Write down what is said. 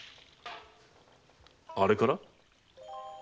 あれから？